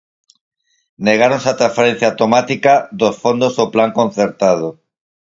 Negáronse á transferencia automática dos fondos do Plan concertado.